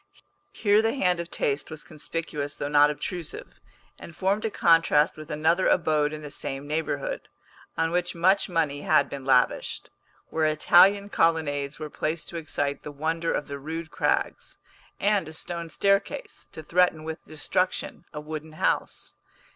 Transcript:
Here the hand of taste was conspicuous though not obtrusive, and formed a contrast with another abode in the same neighbourhood, on which much money had been lavished; where Italian colonnades were placed to excite the wonder of the rude crags, and a stone staircase, to threaten with destruction a wooden house.